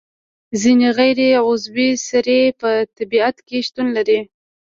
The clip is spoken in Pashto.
ځینې غیر عضوي سرې په طبیعت کې شتون لري.